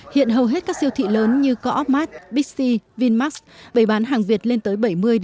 hiện hầu hết các siêu thị lớn như coopmart bixi vinmax bày bán hàng việt lên tới bảy mươi chín mươi